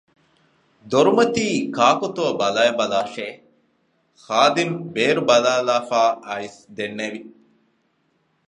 ދޮރުމަތީކާކުތޯ ބަލައިބަލާށެވެ! ޚާދިމު ބޭރުބަލައިލައިފައި އައިސް ދެންނެވި